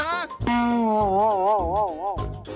โอ้โห